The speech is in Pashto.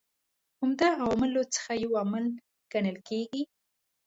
عمده عواملو څخه یو عامل کڼل کیږي.